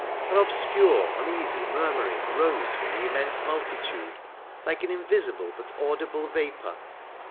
An obscure, uneasy murmuring rose from the immense multitude like an invisible but audible vapour.